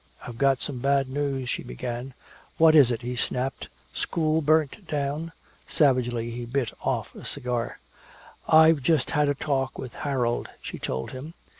"I've got some bad news," she began. "What is it?" he snapped. "School burnt down?" Savagely he bit off a cigar. "I've just had a talk with Harold," she told him.